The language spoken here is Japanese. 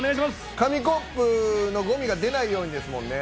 紙コップのゴミが出ないようにですもんね。